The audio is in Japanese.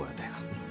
うん。